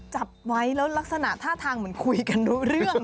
จับไว้แล้วลักษณะท่าทางเหมือนคุยกันรู้เรื่อง